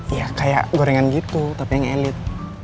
ya kayak gorengan gitu tapi yang elit